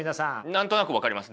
何となく分かります。